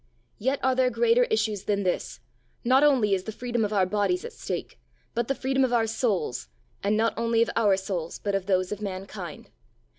Yet are there greater issues than this, not only is the freedom of our bodies at stake, but the freedom of our souls and not only of our souls but of those of mankind.